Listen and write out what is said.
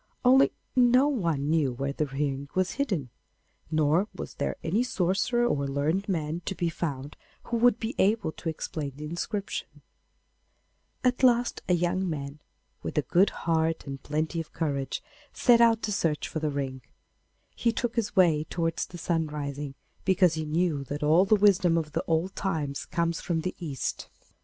Only no one knew where the ring was hidden, nor was there any sorcerer or learned man to be found who would be able to explain the inscription. [Footnote 2: 'Der Norlands Drache,' from Esthnische Mährchen. Kreutzwald.] At last a young man, with a good heart and plenty of courage, set out to search for the ring. He took his way towards the sun rising, because he knew that all the wisdom of old time comes from the East.